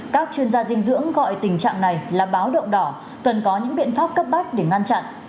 các chuyên gia dinh dưỡng gọi tình trạng này là báo động đỏ cần có những biện pháp cấp bách để ngăn chặn